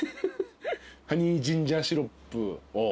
ハニージンジャーシロップを。